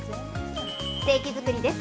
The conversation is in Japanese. ステーキ作りです。